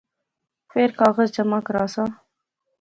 فیر کاغذ جمع کراساں